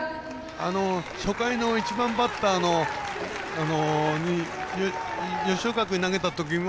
初回の１番バッターの吉岡君に投げたときは